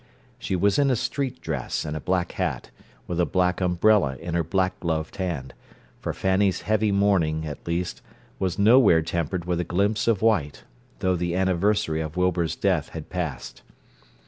She was in a street dress and a black hat, with a black umbrella in her black gloved hand—for Fanny's heavy mourning, at least, was nowhere tempered with a glimpse of white, though the anniversary of Wilbur's death had passed.